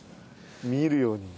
見入るように。